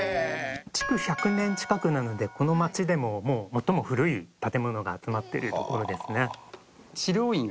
築１００年近くなのでこの街でも最も古い建物が集まってる所ですね。